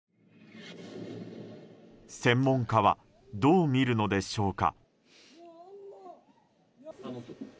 専門家はどう見るのでしょうか。